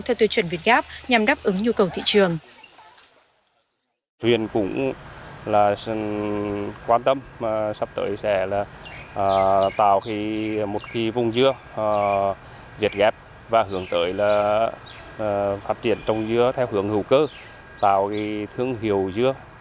theo tiêu chuẩn việt gáp nhằm đáp ứng nhu cầu thị trường